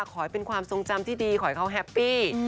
ขอให้เป็นความทรงจำที่ดีขอให้เขาแฮปปี้